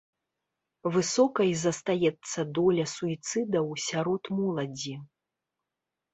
Высокай застаецца доля суіцыдаў сярод моладзі.